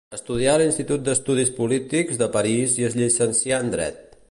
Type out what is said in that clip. Estudià a l'Institut d'Estudis Polítics de París i es llicencià en dret.